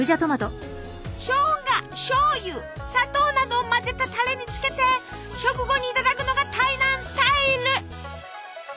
しょうがしょうゆ砂糖などを混ぜたタレにつけて食後にいただくのが台南スタイル！